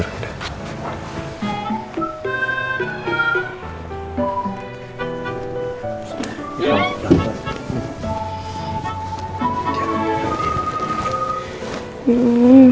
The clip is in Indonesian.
jangan jangan deng